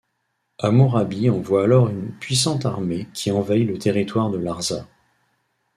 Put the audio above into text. Hammurabi envoie alors une puissante armée qui envahit le territoire de Larsa.